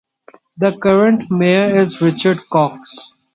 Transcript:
The current mayor is Richard Kos.